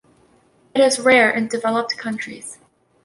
It is rare in developed countries.